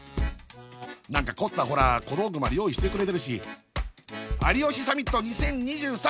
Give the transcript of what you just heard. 何か凝ったほら小道具まで用意してくれてるし有吉サミット２０２３